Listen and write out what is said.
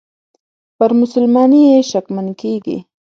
پر مسلماني یې شکمن کیږي.